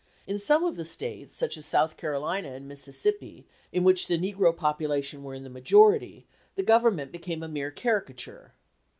In some of the States, such as South Carolina and Mississippi, in which the negro population were in the majority, the government became a mere caricature.